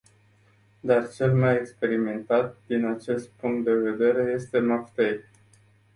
Dar cel mai experimentat din acest punct de vedere este maftei.